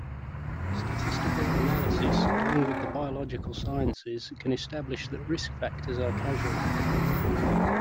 Statistical analysis along with the biological sciences can establish that risk factors are causal.